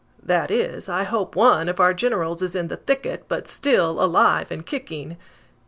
That is, I hope one of our generals is in the thicket, but still alive and kicking!"